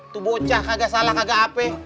tuh bocah kagak salah kagak ape